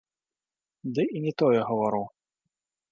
Ды і не тое гавару.